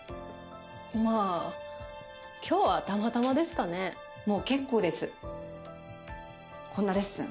まあ今日はたまたまですかねもう結構ですこんなレッスン